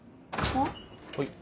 はい。